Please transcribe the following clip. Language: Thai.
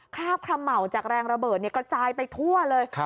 ราบขระเหมาจากแรงระเบิดกระจายไปทั่วเลย